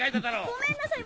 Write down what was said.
ごめんなさい！